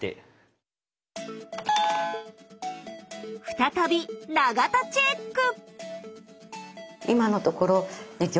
再び永田チェック！